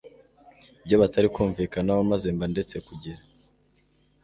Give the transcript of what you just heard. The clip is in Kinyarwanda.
ibyo batari kumvikanaho maze mba ndetse kugira